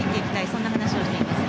そんな話をしています。